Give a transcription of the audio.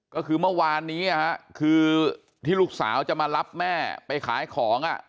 ก็คือเมื่อวานนี้คือที่ลูกสาวจะมารับแม่ไปขายของ